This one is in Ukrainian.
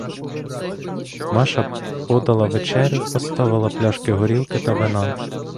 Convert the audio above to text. Маша подала вечерю, поставила пляшки горілки та вина.